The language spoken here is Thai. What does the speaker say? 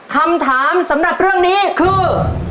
คำถามสำหรับเรื่องนี้คือ